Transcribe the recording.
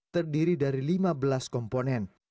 terdiri dari lima belas komponen